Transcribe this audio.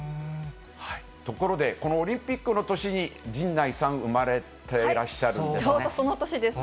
ところで、このオリンピックの年に、陣内さん生まれていらっしゃちょうどその年です。